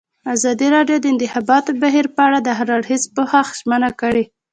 ازادي راډیو د د انتخاباتو بهیر په اړه د هر اړخیز پوښښ ژمنه کړې.